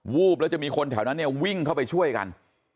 วูบแล้วจะมีคนแถวนั้นเนี่ยวิ่งเข้าไปช่วยกัน